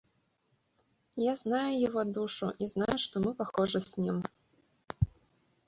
Я знаю его душу и знаю, что мы похожи с ним.